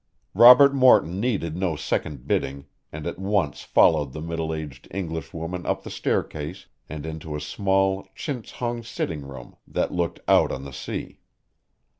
Robert Morton needed no second bidding and at once followed the middle aged English woman up the staircase and into a small, chintz hung sitting room that looked out on the sea.